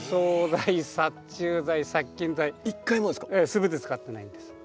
すべて使ってないんです。